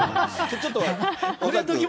ちょっと。